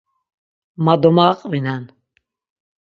Ma domaqvinen.